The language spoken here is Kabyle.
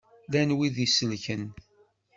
Llan wid i iselken?